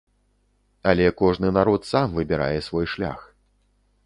Але кожны народ сам выбірае свой шлях.